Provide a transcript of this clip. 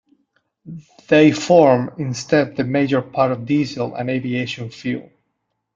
They form instead the major part of diesel and aviation fuel.